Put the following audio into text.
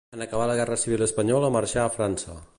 En acabar la guerra civil espanyola marxà a França.